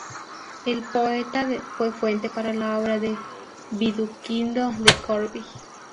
El poeta fue fuente para la obra de Viduquindo de Corvey.